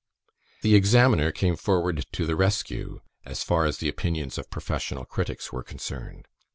The Examiner came forward to the rescue, as far as the opinions of professional critics were concerned.